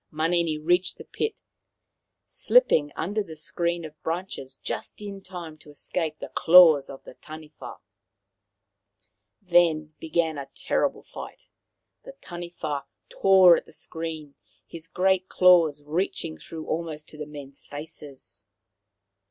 Manini reached the pit, slipping under the screen of branches just in time to escape the claws of the Taniwha. Then began a terrible fight. The Taniwha tore at the screen, his great claws reaching through almost to the men's faces.